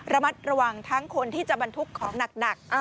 ระมัดระวังทั้งคนที่จะบรรทุกของหนัก